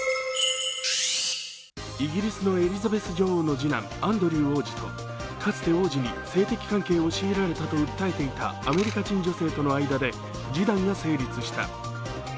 イギリスのエリザベス女王の次男、アンドリュー王子とかつて王子に性的関係を強いられたと訴えていたアメリカ人女性との間で示談が成立した。